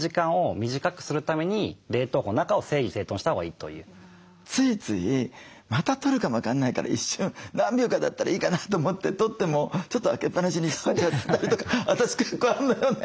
ついついまた取るかも分かんないから一瞬何秒かだったらいいかなと思って取ってもちょっと開けっ放しにしちゃったりとか私結構あんのよね。